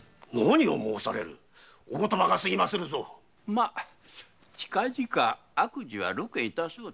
ま近々悪事は露見致そう。